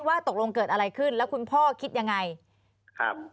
ว่าตกลงเกิดอะไรขึ้นคุณพ่อคิดอย่างยังไง